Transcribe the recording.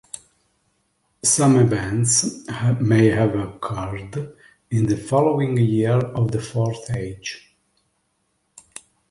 Some events may have occurred in the following year of the Fourth Age.